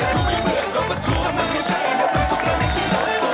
ขอบคุณมากครับ